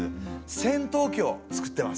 戦闘機を造ってます。